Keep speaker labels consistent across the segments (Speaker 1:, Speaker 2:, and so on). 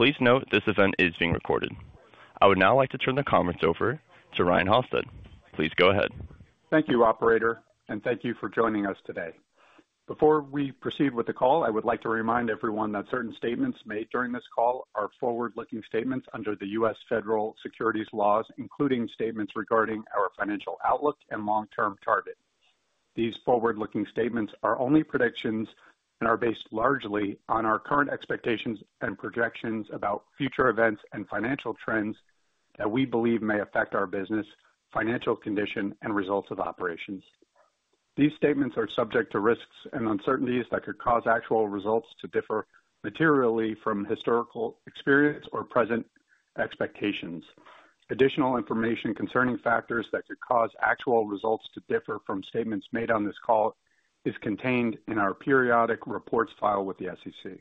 Speaker 1: Please note this event is being recorded. I would now like to turn the conference over to Ryan Halstead. Please go ahead.
Speaker 2: Thank you, Operator, and thank you for joining us today. Before we proceed with the call, I would like to remind everyone that certain statements made during this call are forward-looking statements under the U.S. federal securities laws, including statements regarding our financial outlook and long-term target. These forward-looking statements are only predictions and are based largely on our current expectations and projections about future events and financial trends that we believe may affect our business, financial condition, and results of operations. These statements are subject to risks and uncertainties that could cause actual results to differ materially from historical experience or present expectations. Additional information concerning factors that could cause actual results to differ from statements made on this call is contained in our periodic reports filed with the SEC.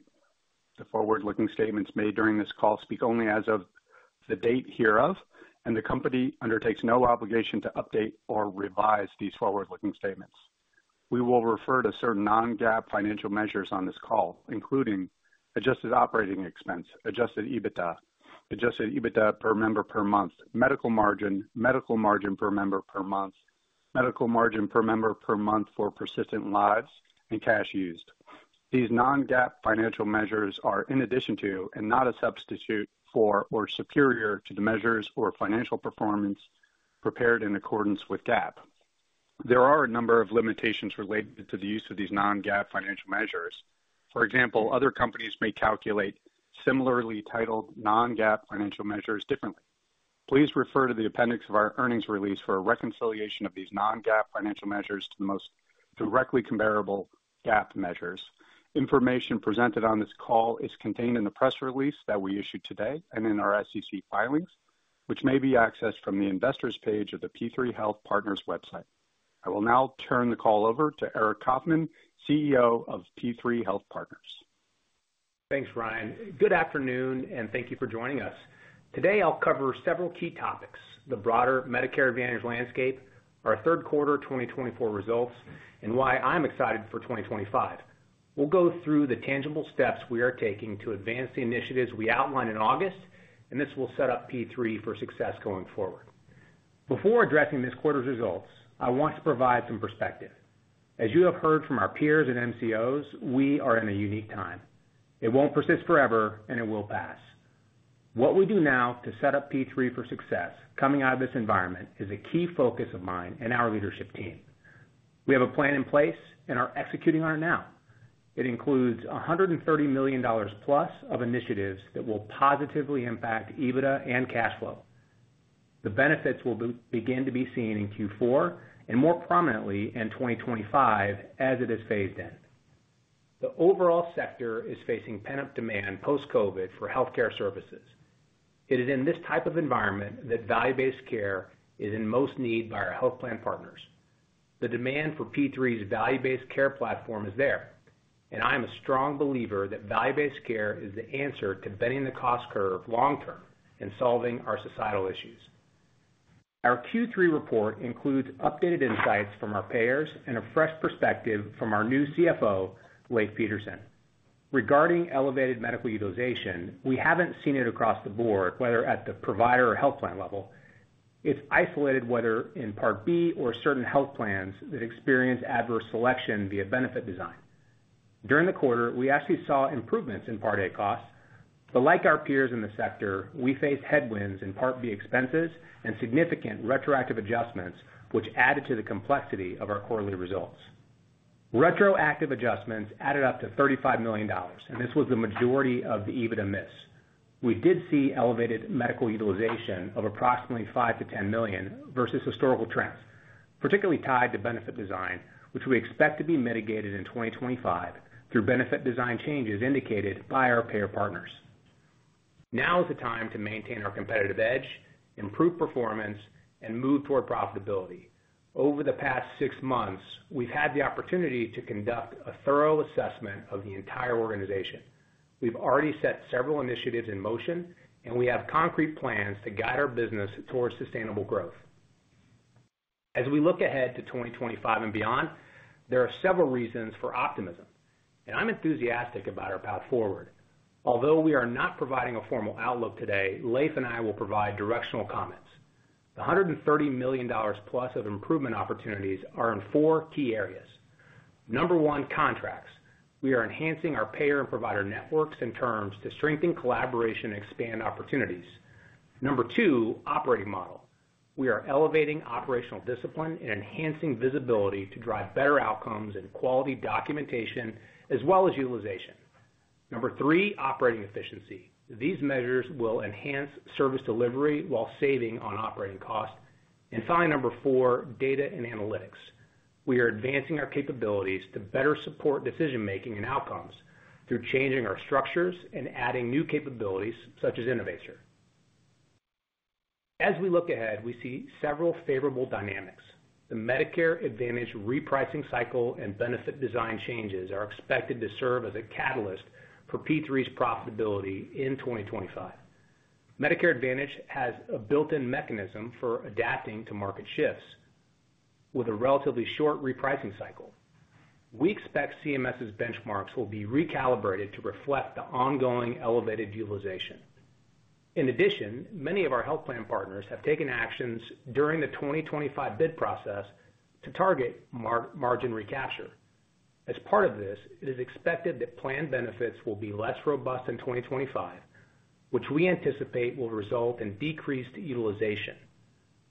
Speaker 2: The forward-looking statements made during this call speak only as of the date hereof, and the company undertakes no obligation to update or revise these forward-looking statements. We will refer to certain non-GAAP financial measures on this call, including adjusted operating expense, adjusted EBITDA, adjusted EBITDA per member per month, medical margin, medical margin per member per month, medical margin per member per month for persistent lives, and cash used. These non-GAAP financial measures are in addition to and not a substitute for or superior to the measures or financial performance prepared in accordance with GAAP. There are a number of limitations related to the use of these non-GAAP financial measures. For example, other companies may calculate similarly titled non-GAAP financial measures differently. Please refer to the appendix of our earnings release for a reconciliation of these non-GAAP financial measures to the most directly comparable GAAP measures. Information presented on this call is contained in the press release that we issued today and in our SEC filings, which may be accessed from the investors' page of the P3 Health Partners website. I will now turn the call over to Aric Coffman, CEO of P3 Health Partners.
Speaker 3: Thanks, Ryan. Good afternoon, and thank you for joining us. Today, I'll cover several key topics: the broader Medicare Advantage landscape, our third quarter 2024 results, and why I'm excited for 2025. We'll go through the tangible steps we are taking to advance the initiatives we outlined in August, and this will set up P3 for success going forward. Before addressing this quarter's results, I want to provide some perspective. As you have heard from our peers and MCOs, we are in a unique time. It won't persist forever, and it will pass. What we do now to set up P3 for success coming out of this environment is a key focus of mine and our leadership team. We have a plan in place, and our execution on it now. It includes $130 million plus of initiatives that will positively impact EBITDA and cash flow. The benefits will begin to be seen in Q4 and more prominently in 2025 as it is phased in. The overall sector is facing pent-up demand post-COVID for healthcare services. It is in this type of environment that value-based care is in most need by our health plan partners. The demand for P3's value-based care platform is there, and I am a strong believer that value-based care is the answer to bending the cost curve long-term and solving our societal issues. Our Q3 report includes updated insights from our payers and a fresh perspective from our new CFO, Leif Pedersen. Regarding elevated medical utilization, we haven't seen it across the board, whether at the provider or health plan level. It's isolated, whether in Part B or certain health plans that experience adverse selection via benefit design. During the quarter, we actually saw improvements in Part A costs, but like our peers in the sector, we faced headwinds in Part B expenses and significant retroactive adjustments, which added to the complexity of our quarterly results. Retroactive adjustments added up to $35 million, and this was the majority of the EBITDA miss. We did see elevated medical utilization of approximately $5 million-$10 million versus historical trends, particularly tied to benefit design, which we expect to be mitigated in 2025 through benefit design changes indicated by our payer partners. Now is the time to maintain our competitive edge, improve performance, and move toward profitability. Over the past six months, we've had the opportunity to conduct a thorough assessment of the entire organization. We've already set several initiatives in motion, and we have concrete plans to guide our business toward sustainable growth. As we look ahead to 2025 and beyond, there are several reasons for optimism, and I'm enthusiastic about our path forward. Although we are not providing a formal outlook today, Leif and I will provide directional comments. The $130 million plus of improvement opportunities are in four key areas. Number one, contracts. We are enhancing our payer and provider networks and terms to strengthen collaboration and expand opportunities. Number two, operating model. We are elevating operational discipline and enhancing visibility to drive better outcomes and quality documentation, as well as utilization. Number three, operating efficiency. These measures will enhance service delivery while saving on operating costs, and finally, number four, data and analytics. We are advancing our capabilities to better support decision-making and outcomes through changing our structures and adding new capabilities such as Innovaccer. As we look ahead, we see several favorable dynamics. The Medicare Advantage repricing cycle and benefit design changes are expected to serve as a catalyst for P3's profitability in 2025. Medicare Advantage has a built-in mechanism for adapting to market shifts with a relatively short repricing cycle. We expect CMS's benchmarks will be recalibrated to reflect the ongoing elevated utilization. In addition, many of our health plan partners have taken actions during the 2025 bid process to target margin recapture. As part of this, it is expected that planned benefits will be less robust in 2025, which we anticipate will result in decreased utilization.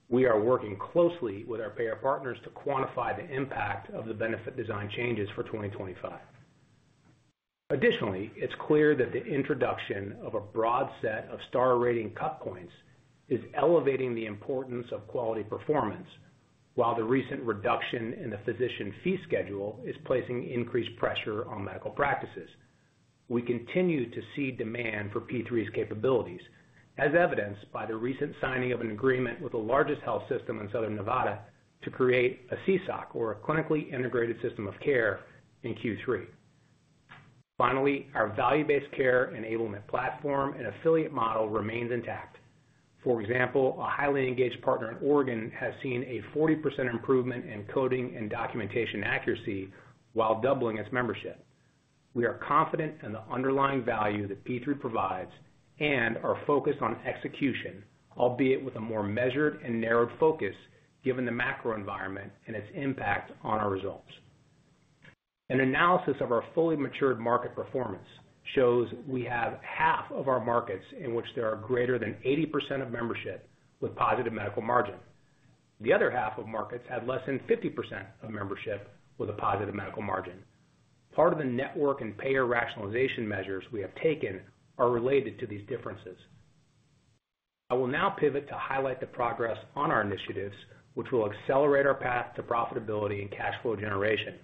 Speaker 3: We are working closely with our payer partners to quantify the impact of the benefit design changes for 2025. Additionally, it's clear that the introduction of a broad set of Star-Rating cut points is elevating the importance of quality performance, while the recent reduction in the Physician Fee Schedule is placing increased pressure on medical practices. We continue to see demand for P3's capabilities, as evidenced by the recent signing of an agreement with the largest health system in Southern Nevada to create a CSOC, or a Clinically Integrated System of Care, in Q3. Finally, our value-based care enablement platform and affiliate model remains intact. For example, a highly engaged partner in Oregon has seen a 40% improvement in coding and documentation accuracy while doubling its membership. We are confident in the underlying value that P3 provides and are focused on execution, albeit with a more measured and narrowed focus given the macro environment and its impact on our results. An analysis of our fully matured market performance shows we have half of our markets in which there are greater than 80% of membership with positive medical margin. The other half of markets have less than 50% of membership with a positive medical margin. Part of the network and payer rationalization measures we have taken are related to these differences. I will now pivot to highlight the progress on our initiatives, which will accelerate our path to profitability and cash flow generation.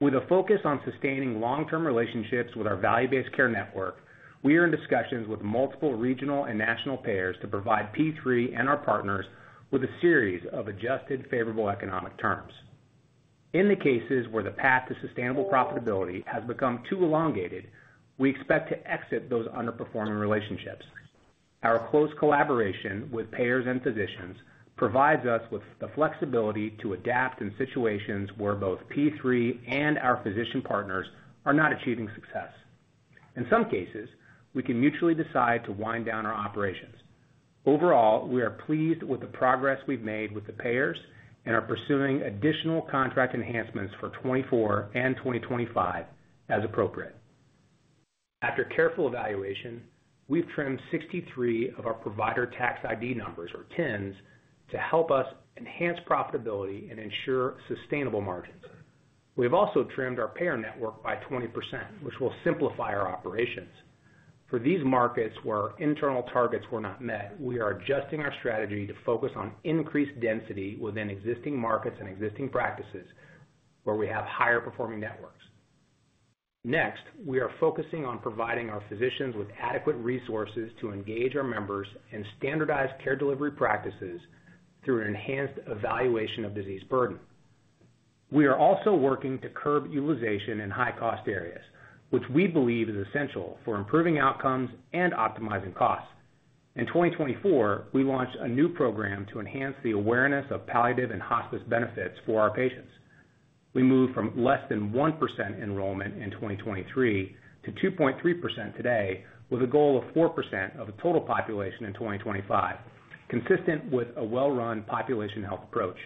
Speaker 3: With a focus on sustaining long-term relationships with our value-based care network, we are in discussions with multiple regional and national payers to provide P3 and our partners with a series of adjusted favorable economic terms. In the cases where the path to sustainable profitability has become too elongated, we expect to exit those underperforming relationships. Our close collaboration with payers and physicians provides us with the flexibility to adapt in situations where both P3 and our physician partners are not achieving success. In some cases, we can mutually decide to wind down our operations. Overall, we are pleased with the progress we've made with the payers and are pursuing additional contract enhancements for 2024 and 2025 as appropriate. After careful evaluation, we've trimmed 63 of our provider tax ID numbers, or TINs, to help us enhance profitability and ensure sustainable margins. We have also trimmed our payer network by 20%, which will simplify our operations. For these markets where our internal targets were not met, we are adjusting our strategy to focus on increased density within existing markets and existing practices where we have higher-performing networks. Next, we are focusing on providing our physicians with adequate resources to engage our members and standardize care delivery practices through an enhanced evaluation of disease burden. We are also working to curb utilization in high-cost areas, which we believe is essential for improving outcomes and optimizing costs. In 2024, we launched a new program to enhance the awareness of palliative and hospice benefits for our patients. We moved from less than 1% enrollment in 2023 to 2.3% today, with a goal of 4% of the total population in 2025, consistent with a well-run population health approach.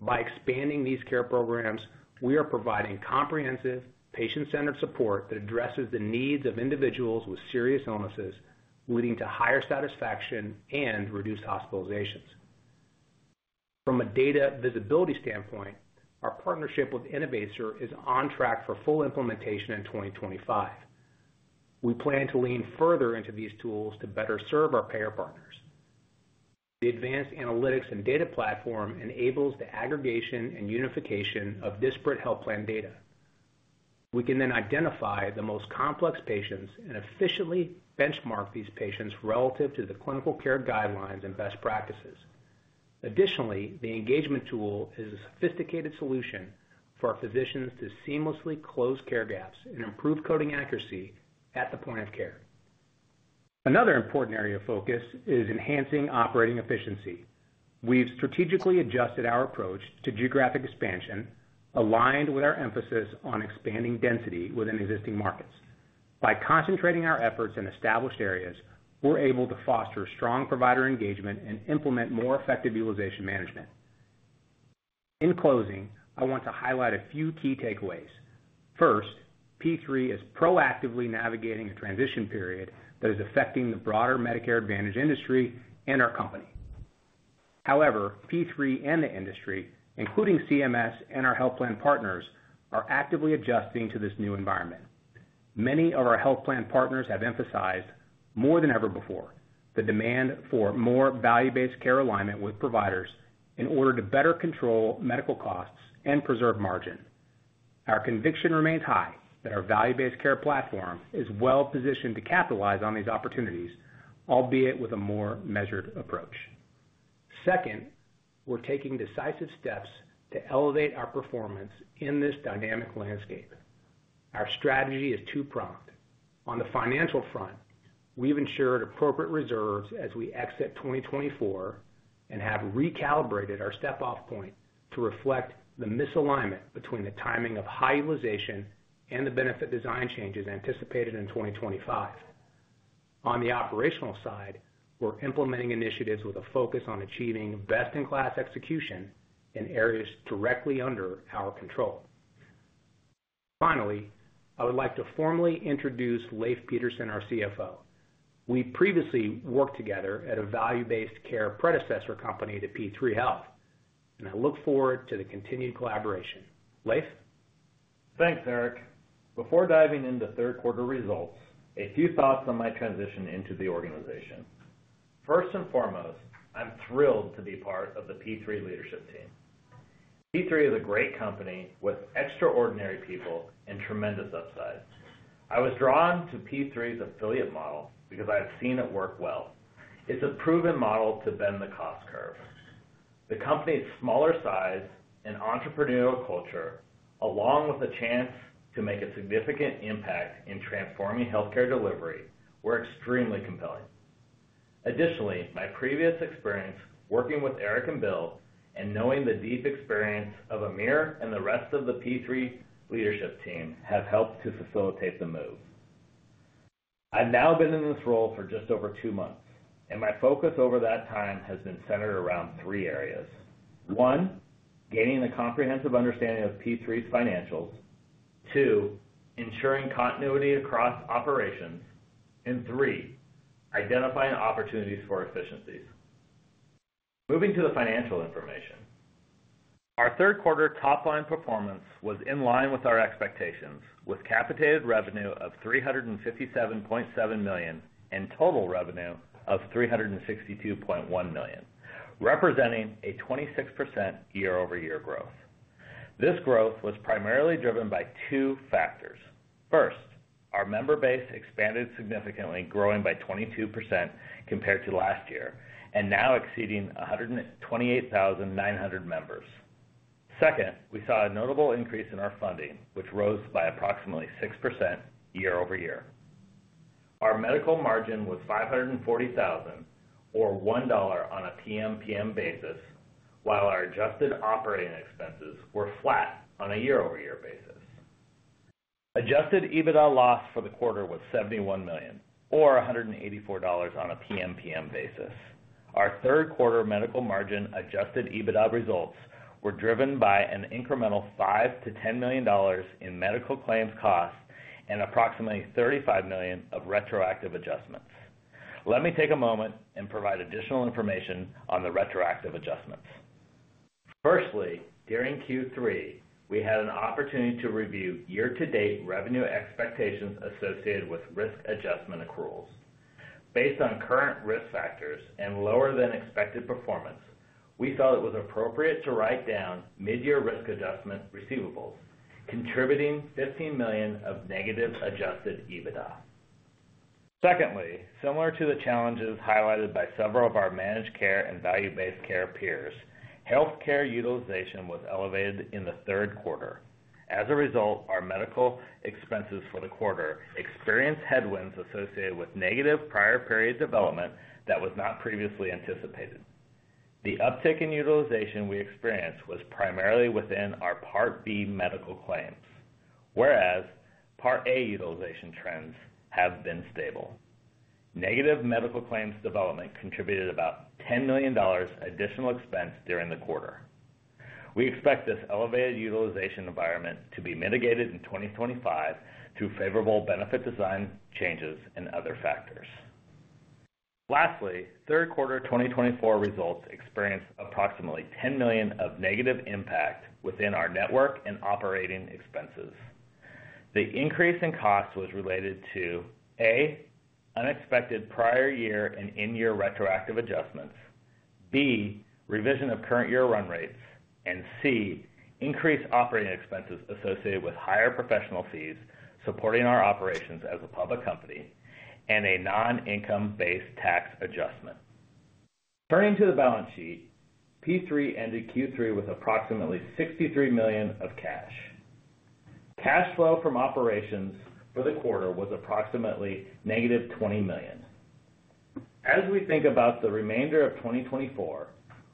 Speaker 3: By expanding these care programs, we are providing comprehensive, patient-centered support that addresses the needs of individuals with serious illnesses, leading to higher satisfaction and reduced hospitalizations. From a data visibility standpoint, our partnership with Innovaccer is on track for full implementation in 2025. We plan to lean further into these tools to better serve our payer partners. The advanced analytics and data platform enables the aggregation and unification of disparate health plan data. We can then identify the most complex patients and efficiently benchmark these patients relative to the clinical care guidelines and best practices. Additionally, the engagement tool is a sophisticated solution for our physicians to seamlessly close care gaps and improve coding accuracy at the point of care. Another important area of focus is enhancing operating efficiency. We've strategically adjusted our approach to geographic expansion, aligned with our emphasis on expanding density within existing markets. By concentrating our efforts in established areas, we're able to foster strong provider engagement and implement more effective utilization management. In closing, I want to highlight a few key takeaways. First, P3 is proactively navigating a transition period that is affecting the broader Medicare Advantage industry and our company. However, P3 and the industry, including CMS and our health plan partners, are actively adjusting to this new environment. Many of our health plan partners have emphasized more than ever before the demand for more value-based care alignment with providers in order to better control medical costs and preserve margin. Our conviction remains high that our value-based care platform is well-positioned to capitalize on these opportunities, albeit with a more measured approach. Second, we're taking decisive steps to elevate our performance in this dynamic landscape. Our strategy is two-pronged. On the financial front, we've ensured appropriate reserves as we exit 2024 and have recalibrated our step-off point to reflect the misalignment between the timing of high utilization and the benefit design changes anticipated in 2025. On the operational side, we're implementing initiatives with a focus on achieving best-in-class execution in areas directly under our control. Finally, I would like to formally introduce Leif Pedersen, our CFO. We previously worked together at a value-based care predecessor company to P3 Health, and I look forward to the continued collaboration. Leif?
Speaker 4: Thanks, Aric. Before diving into third-quarter results, a few thoughts on my transition into the organization. First and foremost, I'm thrilled to be part of the P3 leadership team. P3 is a great company with extraordinary people and tremendous upside. I was drawn to P3's affiliate model because I've seen it work well. It's a proven model to bend the cost curve. The company's smaller size and entrepreneurial culture, along with the chance to make a significant impact in transforming healthcare delivery, were extremely compelling. Additionally, my previous experience working with Aric and Bill, and knowing the deep experience of Amir and the rest of the P3 leadership team, have helped to facilitate the move. I've now been in this role for just over two months, and my focus over that time has been centered around three areas. One, gaining a comprehensive understanding of P3's financials. Two, ensuring continuity across operations. And three, identifying opportunities for efficiencies. Moving to the financial information. Our third-quarter top-line performance was in line with our expectations, with capitated revenue of $357.7 million and total revenue of $362.1 million, representing a 26% year-over-year growth. This growth was primarily driven by two factors. First, our member base expanded significantly, growing by 22% compared to last year and now exceeding 128,900 members. Second, we saw a notable increase in our funding, which rose by approximately 6% year-over-year. Our medical margin was $540,000, or $1 on a PM/PM basis, while our adjusted operating expenses were flat on a year-over-year basis. Adjusted EBITDA loss for the quarter was $71 million, or $184 on a PM/PM basis. Our third-quarter medical margin adjusted EBITDA results were driven by an incremental $5 million-$10 million in medical claims costs and approximately $35 million of retroactive adjustments. Let me take a moment and provide additional information on the retroactive adjustments. Firstly, during Q3, we had an opportunity to review year-to-date revenue expectations associated with risk adjustment accruals. Based on current risk factors and lower-than-expected performance, we felt it was appropriate to write down mid-year risk adjustment receivables, contributing $15 million of negative adjusted EBITDA. Secondly, similar to the challenges highlighted by several of our managed care and value-based care peers, healthcare utilization was elevated in the third quarter. As a result, our medical expenses for the quarter experienced headwinds associated with negative prior-period development that was not previously anticipated. The uptick in utilization we experienced was primarily within our Part B medical claims, whereas Part A utilization trends have been stable. Negative medical claims development contributed about $10 million additional expense during the quarter. We expect this elevated utilization environment to be mitigated in 2025 through favorable benefit design changes and other factors. Lastly, third-quarter 2024 results experienced approximately $10 million of negative impact within our network and operating expenses. The increase in cost was related to: A, unexpected prior-year and in-year retroactive adjustments. B, revision of current-year run rates. And C, increased operating expenses associated with higher professional fees supporting our operations as a public company. And a non-income-based tax adjustment. Turning to the balance sheet, P3 ended Q3 with approximately $63 million of cash. Cash flow from operations for the quarter was approximately -$20 million. As we think about the remainder of 2024,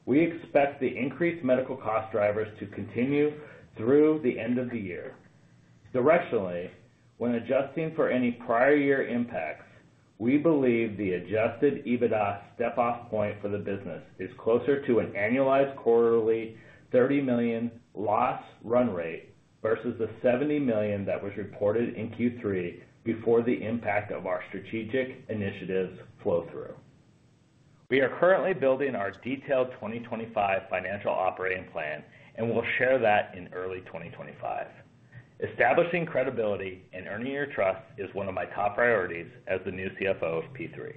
Speaker 4: we expect the increased medical cost drivers to continue through the end of the year. Directionally, when adjusting for any prior-year impacts, we believe the adjusted EBITDA step-off point for the business is closer to an annualized quarterly $30 million loss run rate versus the $70 million that was reported in Q3 before the impact of our strategic initiatives flow-through. We are currently building our detailed 2025 financial operating plan, and we'll share that in early 2025. Establishing credibility and earning your trust is one of my top priorities as the new CFO of P3.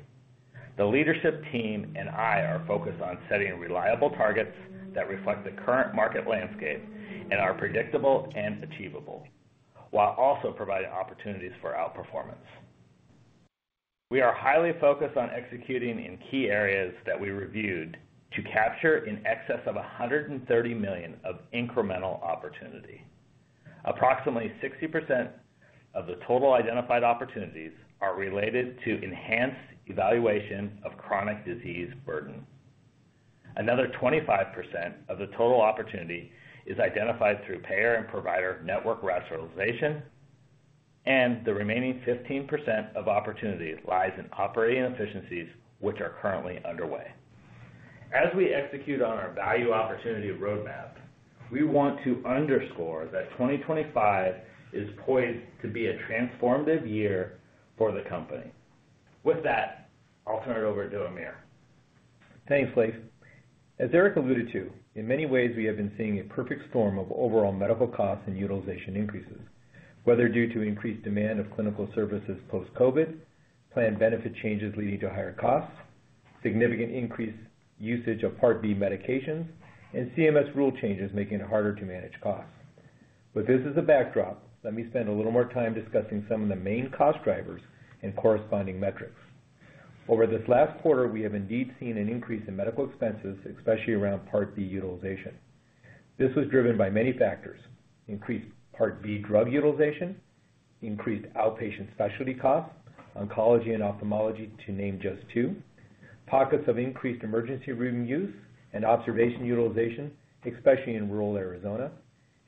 Speaker 4: The leadership team and I are focused on setting reliable targets that reflect the current market landscape and are predictable and achievable, while also providing opportunities for outperformance. We are highly focused on executing in key areas that we reviewed to capture in excess of $130 million of incremental opportunity. Approximately 60% of the total identified opportunities are related to enhanced evaluation of chronic disease burden. Another 25% of the total opportunity is identified through payer and provider network rationalization, and the remaining 15% of opportunity lies in operating efficiencies, which are currently underway. As we execute on our value opportunity roadmap, we want to underscore that 2025 is poised to be a transformative year for the company. With that, I'll turn it over to Amir.
Speaker 5: Thanks, Leif. As Aric alluded to, in many ways, we have been seeing a perfect storm of overall medical costs and utilization increases, whether due to increased demand of clinical services post-COVID, planned benefit changes leading to higher costs, significant increased usage of Part B medications, and CMS rule changes making it harder to manage costs. With this as a backdrop, let me spend a little more time discussing some of the main cost drivers and corresponding metrics. Over this last quarter, we have indeed seen an increase in medical expenses, especially around Part B utilization. This was driven by many factors: increased Part B drug utilization, increased outpatient specialty costs, oncology and ophthalmology, to name just two, pockets of increased emergency room use and observation utilization, especially in rural Arizona,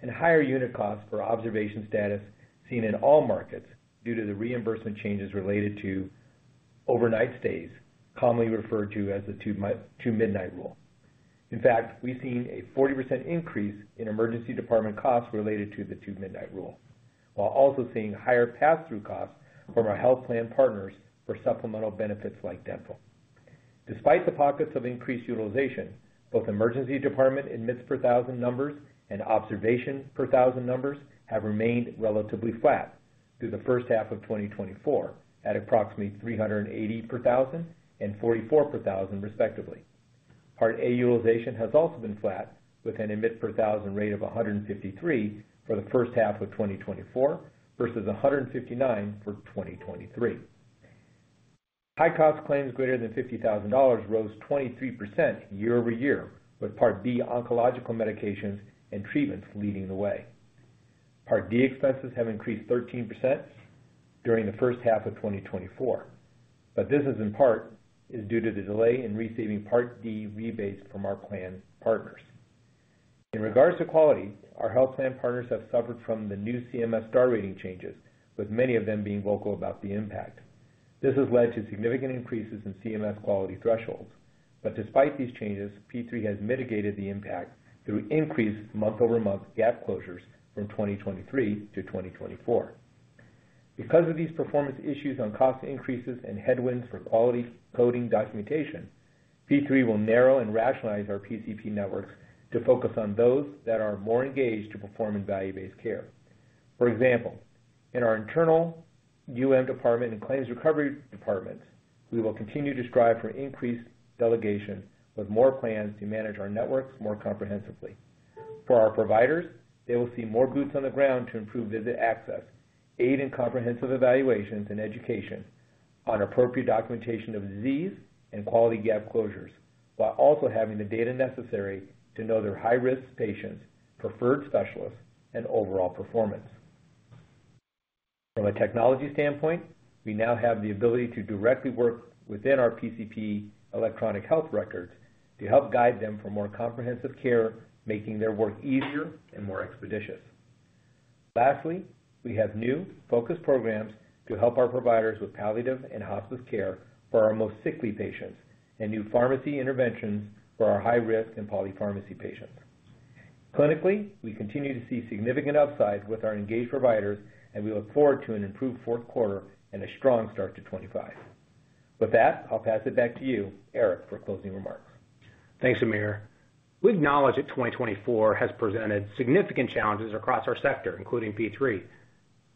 Speaker 5: and higher unit costs for observation status seen in all markets due to the reimbursement changes related to overnight stays, commonly referred to as the Two-Midnight Rule. In fact, we've seen a 40% increase in emergency department costs related to the Two-Midnight Rule, while also seeing higher pass-through costs from our health plan partners for supplemental benefits like dental. Despite the pockets of increased utilization, both emergency department and admits per thousand numbers and observation per thousand numbers have remained relatively flat through the first half of 2024, at approximately $380 per thousand and $44 per thousand, respectively. Part A utilization has also been flat, with an admits per thousand rate of $153 for the first half of 2024 versus $159 for 2023. High-cost claims greater than $50,000 rose 23% year-over-year, with Part B oncological medications and treatments leading the way. Part D expenses have increased 13% during the first half of 2024, but this is in part due to the delay in receiving Part D rebates from our plan partners. In regards to quality, our health plan partners have suffered from the new CMS Star Rating changes, with many of them being vocal about the impact. This has led to significant increases in CMS quality thresholds, but despite these changes, P3 has mitigated the impact through increased month-over-month gap closures from 2023 to 2024. Because of these performance issues on cost increases and headwinds for quality coding documentation, P3 will narrow and rationalize our PCP networks to focus on those that are more engaged to perform in value-based care. For example, in our internal Denials and Claims Recovery Department, we will continue to strive for increased delegation, with more plans to manage our networks more comprehensively. For our providers, they will see more boots on the ground to improve visit access, aid in comprehensive evaluations and education on appropriate documentation of disease and quality gap closures, while also having the data necessary to know their high-risk patients, preferred specialists, and overall performance. From a technology standpoint, we now have the ability to directly work within our PCP electronic health records to help guide them for more comprehensive care, making their work easier and more expeditious. Lastly, we have new focus programs to help our providers with palliative and hospice care for our most sickly patients and new pharmacy interventions for our high-risk and polypharmacy patients. Clinically, we continue to see significant upside with our engaged providers, and we look forward to an improved fourth quarter and a strong start to 2025. With that, I'll pass it back to you, Aric, for closing remarks.
Speaker 3: Thanks, Amir. We acknowledge that 2024 has presented significant challenges across our sector, including P3.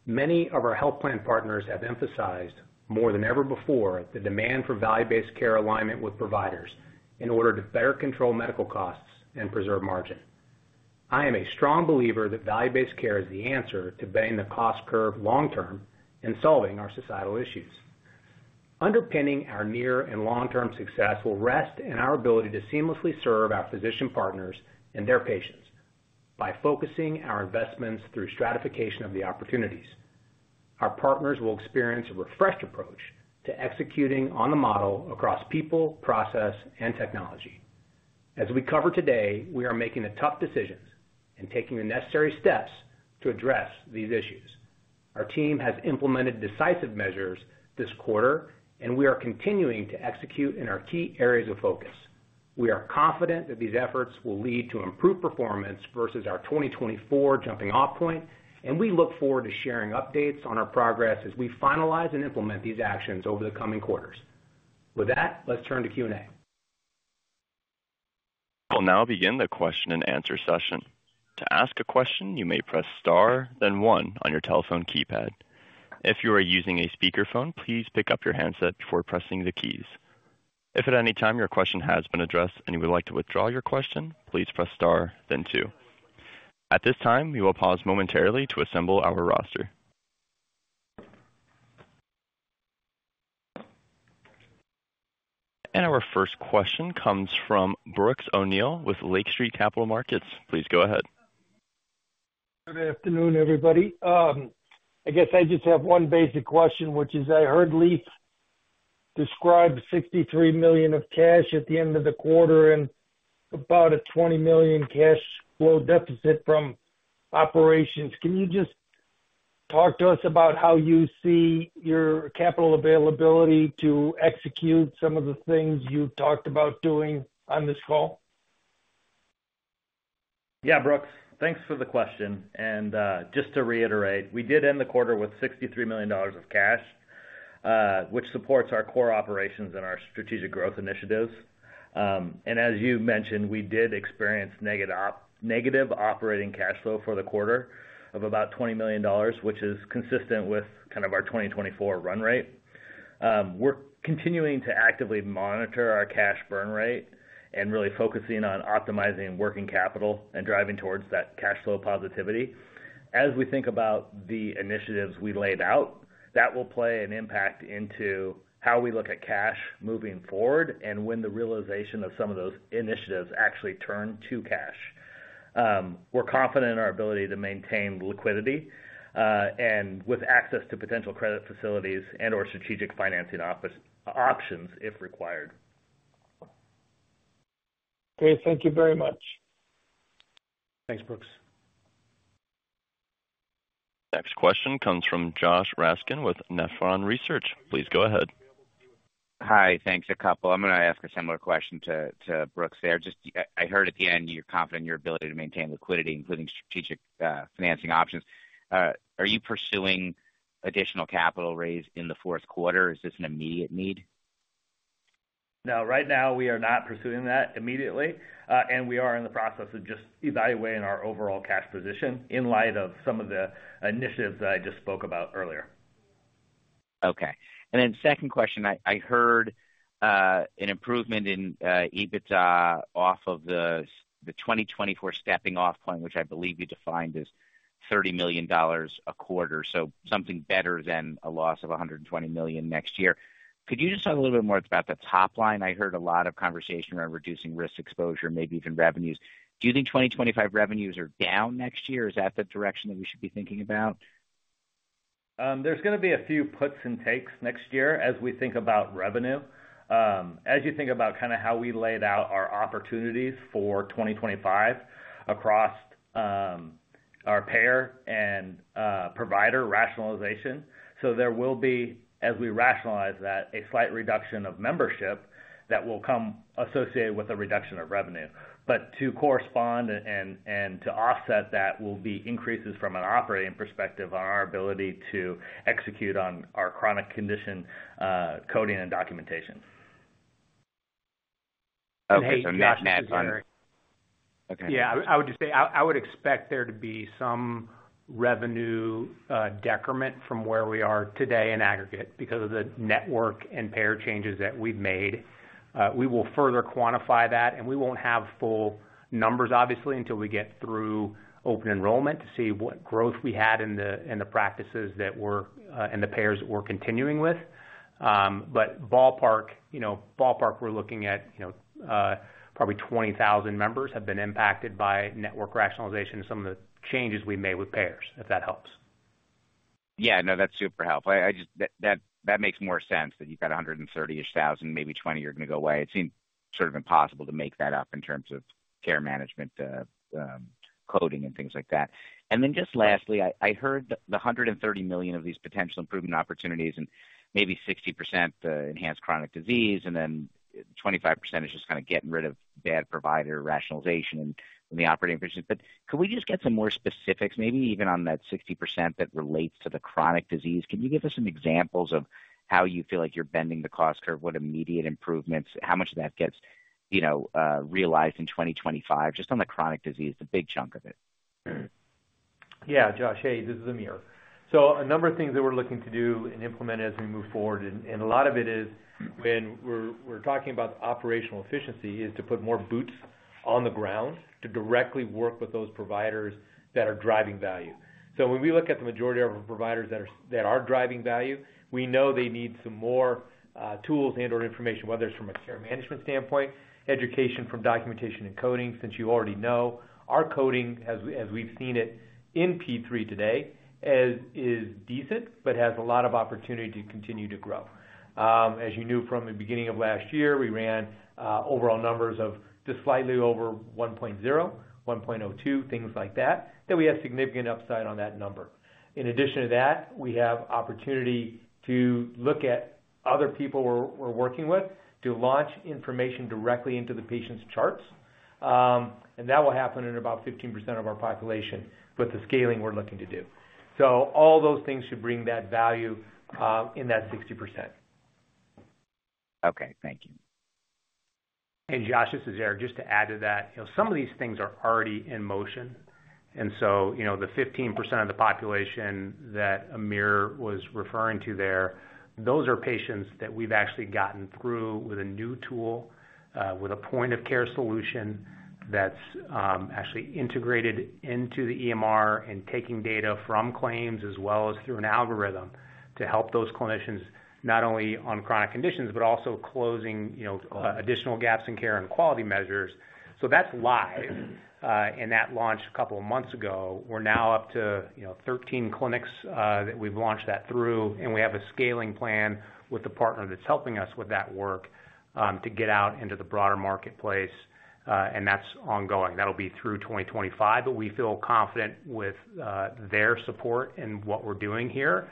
Speaker 3: Many of our health plan partners have emphasized more than ever before the demand for value-based care alignment with providers in order to better control medical costs and preserve margin. I am a strong believer that value-based care is the answer to bending the cost curve long-term and solving our societal issues. Underpinning our near and long-term success will rest in our ability to seamlessly serve our physician partners and their patients by focusing our investments through stratification of the opportunities. Our partners will experience a refreshed approach to executing on the model across people, process, and technology. As we cover today, we are making the tough decisions and taking the necessary steps to address these issues. Our team has implemented decisive measures this quarter, and we are continuing to execute in our key areas of focus. We are confident that these efforts will lead to improved performance versus our 2024 jumping-off point, and we look forward to sharing updates on our progress as we finalize and implement these actions over the coming quarters. With that, let's turn to Q&A.
Speaker 1: I'll now begin the question-and-answer session. To ask a question, you may press star, then one on your telephone keypad. If you are using a speakerphone, please pick up your handset before pressing the keys. If at any time your question has been addressed and you would like to withdraw your question, please press star, then two. At this time, we will pause momentarily to assemble our roster. And our first question comes from Brooks O'Neil with Lake Street Capital Markets. Please go ahead.
Speaker 6: Good afternoon, everybody. I guess I just have one basic question, which is I heard Leif describe $63 million of cash at the end of the quarter and about a $20 million cash flow deficit from operations. Can you just talk to us about how you see your capital availability to execute some of the things you talked about doing on this call?
Speaker 3: Yeah, Brooks, thanks for the question. And just to reiterate, we did end the quarter with $63 million of cash, which supports our core operations and our strategic growth initiatives. And as you mentioned, we did experience negative operating cash flow for the quarter of about $20 million, which is consistent with kind of our 2024 run rate. We're continuing to actively monitor our cash burn rate and really focusing on optimizing working capital and driving towards that cash flow positivity. As we think about the initiatives we laid out, that will play an impact into how we look at cash moving forward and when the realization of some of those initiatives actually turn to cash. We're confident in our ability to maintain liquidity and with access to potential credit facilities and/or strategic financing options if required.
Speaker 6: Great. Thank you very much.
Speaker 3: Thanks, Brooks.
Speaker 1: Next question comes from Josh Raskin with Nephron Research. Please go ahead.
Speaker 7: Hi, thanks a lot. I'm going to ask a similar question to Brooks there. I heard at the end you're confident in your ability to maintain liquidity, including strategic financing options. Are you pursuing additional capital raise in the fourth quarter? Is this an immediate need?
Speaker 3: No, right now we are not pursuing that immediately, and we are in the process of just evaluating our overall cash position in light of some of the initiatives that I just spoke about earlier.
Speaker 7: Okay. And then second question, I heard an improvement in EBITDA off of the 2024 stepping-off point, which I believe you defined as $30 million a quarter, so something better than a loss of $120 million next year. Could you just talk a little bit more about the top line? I heard a lot of conversation around reducing risk exposure, maybe even revenues. Do you think 2025 revenues are down next year? Is that the direction that we should be thinking about?
Speaker 3: There's going to be a few puts and takes next year as we think about revenue. As you think about kind of how we laid out our opportunities for 2025 across our payer and provider rationalization, so there will be, as we rationalize that, a slight reduction of membership that will come associated with a reduction of revenue. But to correspond and to offset that will be increases from an operating perspective on our ability to execute on our chronic condition coding and documentation.
Speaker 7: Okay. So not concerned.
Speaker 3: Yeah, I would just say I would expect there to be some revenue decrement from where we are today in aggregate because of the network and payer changes that we've made. We will further quantify that, and we won't have full numbers, obviously, until we get through open enrollment to see what growth we had in the practices that were and the payers that we're continuing with, but ballpark, we're looking at probably 20,000 members have been impacted by network rationalization and some of the changes we made with payers, if that helps.
Speaker 7: Yeah, no, that's super helpful. That makes more sense that you've got 130-ish thousand, maybe 20, you're going to go away. It seemed sort of impossible to make that up in terms of care management, coding, and things like that, and then just lastly, I heard the $130 million of these potential improvement opportunities and maybe 60% enhanced chronic disease, and then 25% is just kind of getting rid of bad provider rationalization and the operating efficiency. But could we just get some more specifics, maybe even on that 60% that relates to the chronic disease? Can you give us some examples of how you feel like you're bending the cost curve, what immediate improvements, how much of that gets realized in 2025, just on the chronic disease, the big chunk of it?
Speaker 5: Yeah, Josh, hey, this is Amir. So a number of things that we're looking to do and implement as we move forward, and a lot of it is when we're talking about operational efficiency, is to put more boots on the ground to directly work with those providers that are driving value. So when we look at the majority of our providers that are driving value, we know they need some more tools and/or information, whether it's from a care management standpoint, education from documentation and coding, since you already know our coding, as we've seen it in P3 today, is decent but has a lot of opportunity to continue to grow. As you knew from the beginning of last year, we ran overall numbers of just slightly over 1.0, 1.02, things like that, that we have significant upside on that number. In addition to that, we have opportunity to look at other people we're working with, to launch information directly into the patient's charts. And that will happen in about 15% of our population with the scaling we're looking to do. So all those things should bring that value in that 60%.
Speaker 7: Okay. Thank you.
Speaker 3: And Josh, this is Aric. Just to add to that, some of these things are already in motion. And so the 15% of the population that Amir was referring to there, those are patients that we've actually gotten through with a new tool, with a point-of-care solution that's actually integrated into the EMR and taking data from claims as well as through an algorithm to help those clinicians not only on chronic conditions, but also closing additional gaps in care and quality measures. So that's live, and that launched a couple of months ago. We're now up to 13 clinics that we've launched that through, and we have a scaling plan with the partner that's helping us with that work to get out into the broader marketplace. And that's ongoing. That'll be through 2025, but we feel confident with their support and what we're doing here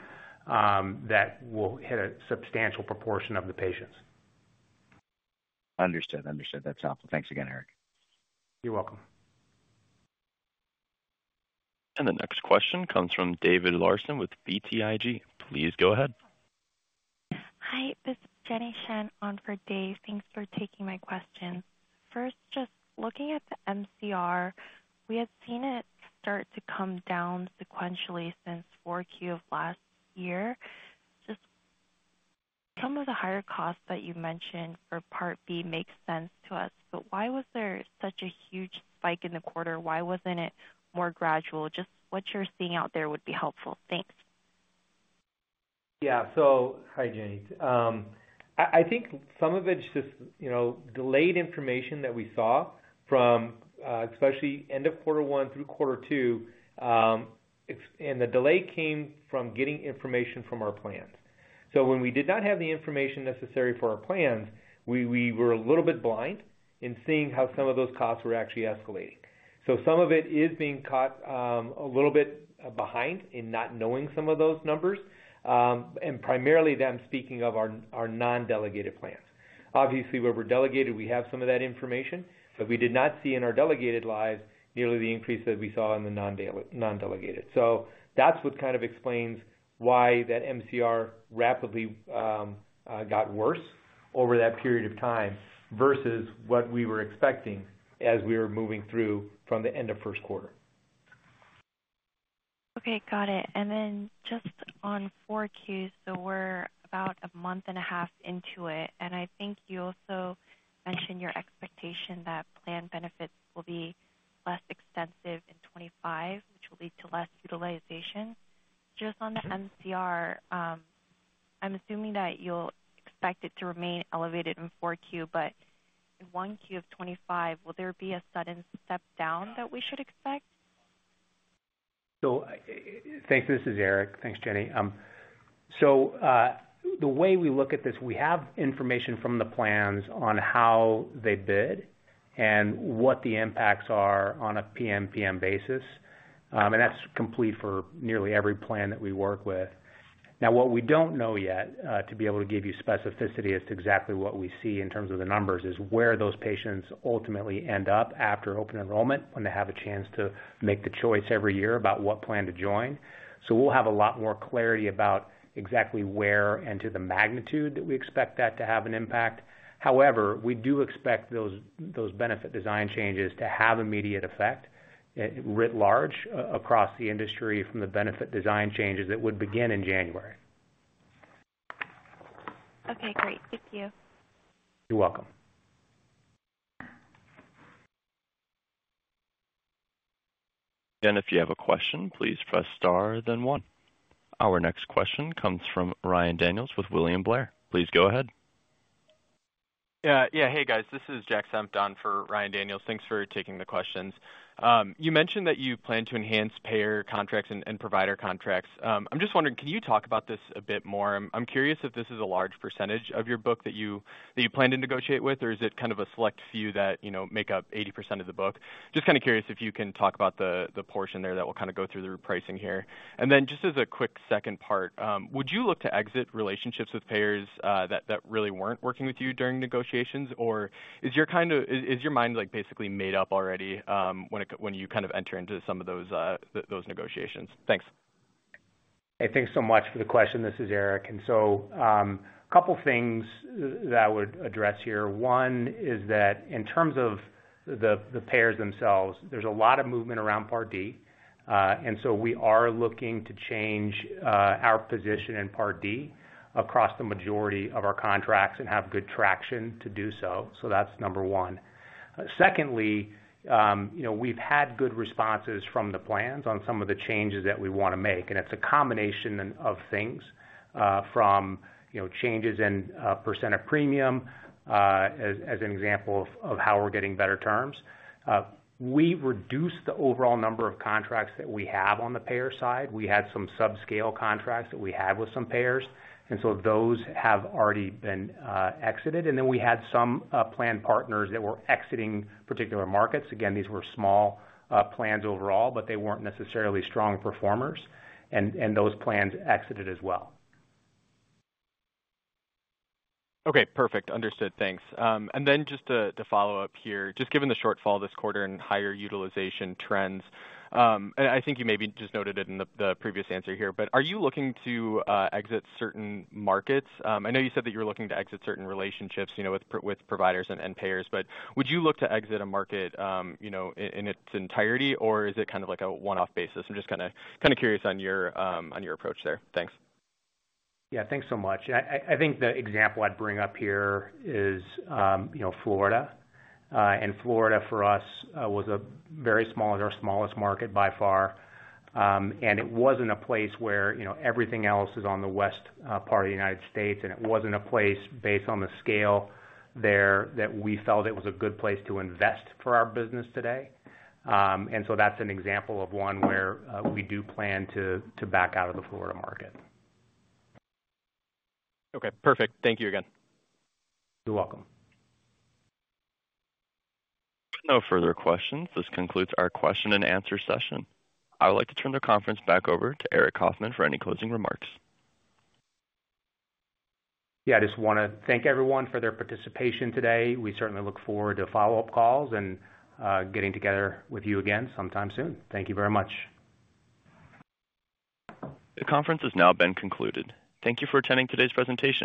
Speaker 3: that we'll hit a substantial proportion of the patients.
Speaker 7: Understood. Understood. That's helpful. Thanks again, Aric.
Speaker 3: You're welcome.
Speaker 1: And the next question comes from David Larsen with BTIG. Please go ahead.
Speaker 8: Hi, this is Jenny Shen on for David. Thanks for taking my question. First, just looking at the MCR, we have seen it start to come down sequentially since 4Q of last year. Just some of the higher costs that you mentioned for Part B make sense to us, but why was there such a huge spike in the quarter? Why wasn't it more gradual? Just what you're seeing out there would be helpful. Thanks.
Speaker 3: Yeah, so hi, Jenny. I think some of it's just delayed information that we saw from especially end of quarter one through quarter two, and the delay came from getting information from our plans. So when we did not have the information necessary for our plans, we were a little bit blind in seeing how some of those costs were actually escalating. So some of it is being caught a little bit behind in not knowing some of those numbers, and primarily them speaking of our non-delegated plans. Obviously, where we're delegated, we have some of that information, but we did not see in our delegated lives nearly the increase that we saw in the non-delegated. So that's what kind of explains why that MCR rapidly got worse over that period of time versus what we were expecting as we were moving through from the end of first quarter.
Speaker 8: Okay. Got it. And then just on 4Q, so we're about a month and a half into it. I think you also mentioned your expectation that plan benefits will be less extensive in 2025, which will lead to less utilization. Just on the MCR, I'm assuming that you'll expect it to remain elevated in 4Q, but in 1Q of 2025, will there be a sudden step down that we should expect?
Speaker 3: So thanks. This is Aric. Thanks, Jenny. The way we look at this, we have information from the plans on how they bid and what the impacts are on a PM/PM basis. That's complete for nearly every plan that we work with. Now, what we don't know yet to be able to give you specificity as to exactly what we see in terms of the numbers is where those patients ultimately end up after open enrollment when they have a chance to make the choice every year about what plan to join. So we'll have a lot more clarity about exactly where and to the magnitude that we expect that to have an impact. However, we do expect those benefit design changes to have immediate effect writ large across the industry from the benefit design changes that would begin in January.
Speaker 8: Okay. Great. Thank you.
Speaker 3: You're welcome.
Speaker 1: And if you have a question, please press star, then one. Our next question comes from Ryan Daniels with William Blair. Please go ahead.
Speaker 9: Yeah. Hey, guys. This is Jack Senft for Ryan Daniels. Thanks for taking the questions. You mentioned that you plan to enhance payer contracts and provider contracts. I'm just wondering, can you talk about this a bit more? I'm curious if this is a large percentage of your book that you plan to negotiate with, or is it kind of a select few that make up 80% of the book? Just kind of curious if you can talk about the portion there that will kind of go through the repricing here? And then just as a quick second part, would you look to exit relationships with payers that really weren't working with you during negotiations, or is your mind basically made up already when you kind of enter into some of those negotiations? Thanks.
Speaker 3: Hey, thanks so much for the question. This is Aric. And so a couple of things that I would address here. One is that in terms of the payers themselves, there's a lot of movement around Part D. And so we are looking to change our position in Part D across the majority of our contracts and have good traction to do so. So that's number one. Secondly, we've had good responses from the plans on some of the changes that we want to make. And it's a combination of things from changes in percent of premium as an example of how we're getting better terms. We reduced the overall number of contracts that we have on the payer side. We had some subscale contracts that we had with some payers. And so those have already been exited. And then we had some plan partners that were exiting particular markets. Again, these were small plans overall, but they weren't necessarily strong performers. And those plans exited as well.
Speaker 9: Okay. Perfect. Understood. Thanks. And then just to follow up here, just given the shortfall this quarter and higher utilization trends, and I think you maybe just noted it in the previous answer here, but are you looking to exit certain markets? I know you said that you're looking to exit certain relationships with providers and payers, but would you look to exit a market in its entirety, or is it kind of like a one-off basis? I'm just kind of curious on your approach there. Thanks.
Speaker 3: Yeah. Thanks so much. I think the example I'd bring up here is Florida. And Florida for us was a very small, our smallest market by far. And it wasn't a place where everything else is on the west part of the United States. And it wasn't a place based on the scale there that we felt it was a good place to invest for our business today. And so that's an example of one where we do plan to back out of the Florida market.
Speaker 9: Okay. Perfect. Thank you again.
Speaker 3: You're welcome.
Speaker 1: No further questions. This concludes our question and answer session. I would like to turn the conference back over to Aric Coffman for any closing remarks.
Speaker 3: Yeah. I just want to thank everyone for their participation today. We certainly look forward to follow-up calls and getting together with you again sometime soon. Thank you very much.
Speaker 1: The conference has now been concluded. Thank you for attending today's presentation.